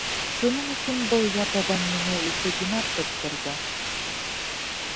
Шуның өсөн был ят әҙәм миңә ике динар тотторҙо.